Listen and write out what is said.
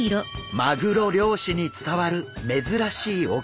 マグロ漁師に伝わる珍しい沖料理。